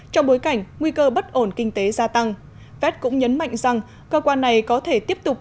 trong bối cảnh nguy cơ bất ổn kinh tế gia tăng fed cũng nhấn mạnh rằng cơ quan này có thể tiếp tục